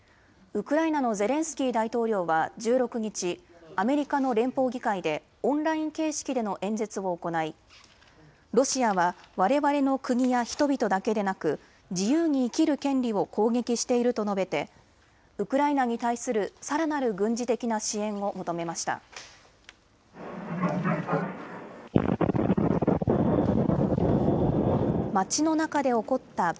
ウクライナのゼレンスキー大統領は１６日、アメリカの連邦議会でオンライン形式での演説を行いロシアは、われわれの国や人々だけではなく自由に生きる権利を攻撃していると述べてウクライナに対するさらなる軍事的な支援を求めました。